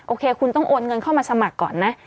โอเคคุณต้องโอนเงินเข้ามาสมัครก่อนนะ